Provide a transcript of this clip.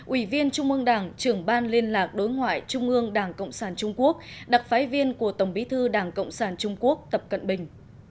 ủy viên trung ương đảng trưởng ban liên lạc đối ngoại trung ương đảng cộng sản trung quốc đặc phái viên của tổng bí thư đảng cộng sản trung quốc tập cận bình